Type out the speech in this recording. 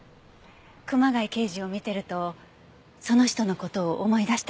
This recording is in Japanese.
熊谷刑事を見てるとその人の事を思い出したからかも。